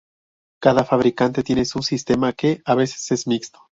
Cada fabricante tiene su sistema, que a veces es mixto.